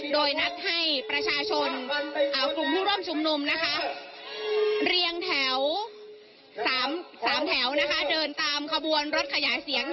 โดยนัดให้ประชาชนกลุ่มผู้ร่วมชุมนุมเรียงแถว๓แถวเดินตามขบวนรถขยายเสียง